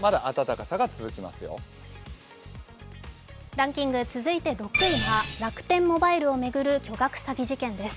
ランキング、続いて６位は楽天モバイルを巡る巨額詐欺事件です。